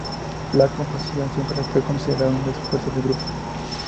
La composición siempre fue considerada un esfuerzo de grupo.